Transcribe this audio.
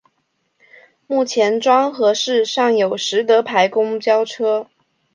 目前庄河市尚有实德牌公交车。